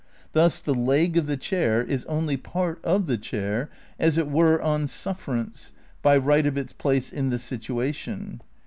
Thus the leg of the chair is only part of the chair as it were on sufferance, by right of its place in the ''situation."